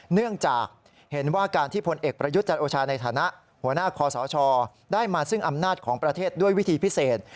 เนื่องจากเห็นว่าการที่พลเอกประยุทธ์จันโอชาในฐานะหัวหน้าคอสชได้มาซึ่งอำนาจของประเทศด้วยวิธีพิเศษ